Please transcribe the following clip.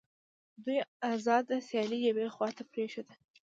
دوی آزاده سیالي یوې خواته پرېښوده